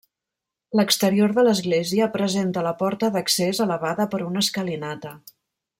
L'exterior de l'església presenta la porta d'accés elevada per una escalinata.